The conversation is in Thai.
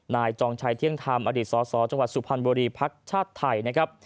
นายจองชายเที่ยงธรรมอดีตสสจังหวัดสุพรรณบุรีภาคชาติไทย